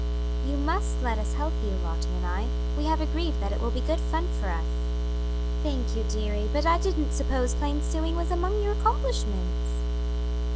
"You must let us help you, Lottie and I; we have agreed that it will be good fun for us." "Thank you, dearie, but I didn't suppose plain sewing was among your accomplishments."